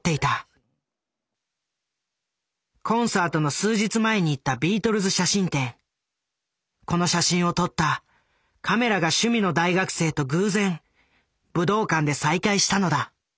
コンサートの数日前に行ったこの写真を撮ったカメラが趣味の大学生と偶然武道館で再会したのだ。